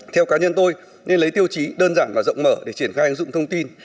theo cá nhân tôi nên lấy tiêu chí đơn giản là rộng mở để triển khai ứng dụng thông tin